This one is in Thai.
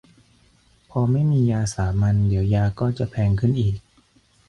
พอไม่มียาสามัญ เดี๋ยวยาก็จะแพงขึ้นอีก